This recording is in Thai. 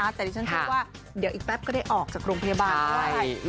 แต่ตรงนี้ฉันคิดว่าเดี๋ยวอีกแป๊บก็ได้ออกจากโรงพยาบาลใช่ไหม